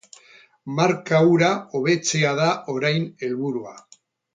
Marka hura hobetzea da, orain, helburua.